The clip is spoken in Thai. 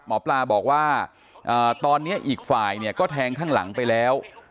หมอปลาบอกว่าตอนนี้อีกฝ่ายเนี่ยก็แทงข้างหลังไปแล้ว